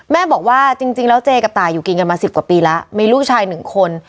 แม่บอกว่าจริงแล้วเจกับตายอยู่กินกันมา๑๐กว่าปีแล้วมีลูกชายหนึ่งคน